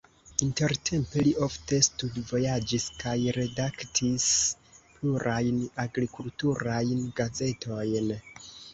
Intertempe li ofte studvojaĝis kaj redaktis plurajn agrikulturajn gazetojn.